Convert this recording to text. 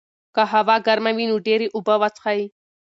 که هوا ګرمه وي، نو ډېرې اوبه وڅښئ.